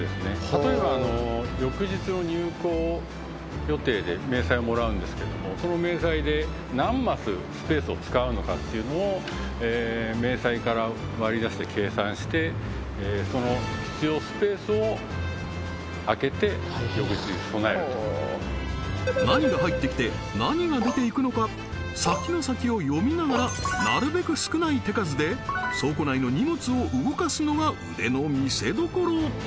例えば翌日の入庫予定で明細をもらうんですけどもその明細で何マススペースを使うのかっていうのを明細から割り出して計算してその何が入ってきて何が出ていくのか先の先を読みながらなるべく少ない手数で倉庫内の荷物を動かすのが腕の見せどころ